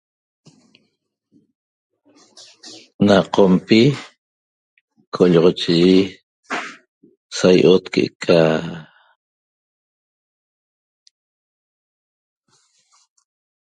Na Qompi co'olloxochiyi sa i'ot que'ca